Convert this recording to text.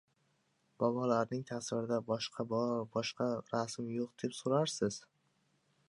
baobablarning tasviridan boshqa biror boshqa rasm yo‘q, deb so‘rarsiz.